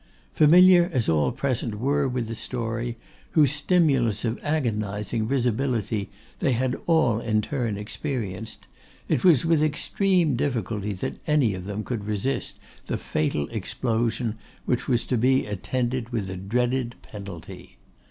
Familiar as all present were with the story whose stimulus of agonising risibility they had all in turn experienced, it was with extreme difficulty that any of them could resist the fatal explosion which was to be attended with the dreaded penalty.